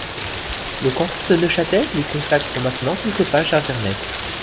Le canton de Neuchâtel lui consacre maintenant quelques pages Internet.